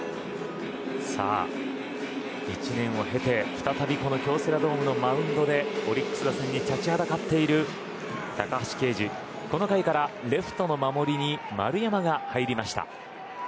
さあ１年を経て再び、この京セラドームのマウンドでオリックス打線に立ちはだかっている高橋奎二この回からレフトの守りに丸山が入りました。